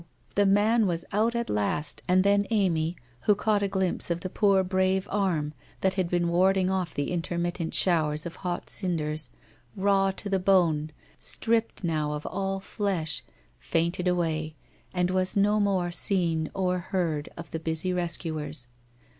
The man was out at last, and then Amy, who caught a glimpse of the poor brave arm that had been warding oft' the intermittent shower of hot cinders, raw to the bone, stripped now of all flesh, fainted away, and was no more seen or heard of the busy rescuers.